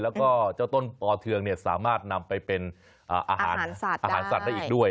แล้วก็เจ้าต้นปอเทืองสามารถนำไปเป็นอาหารสัตว์ได้อีกด้วย